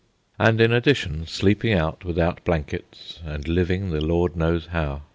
And in addition, sleeping out without blankets and living the Lord knows how.